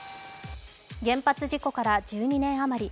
原発事故から１２年あまり。